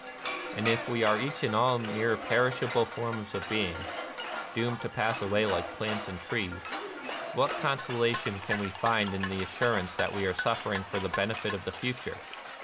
And if we are each and all mere perishable forms of being, — doomed to pass away like plants and trees, — what consolation can we find in the assurance that we are suffering for the benefit of the future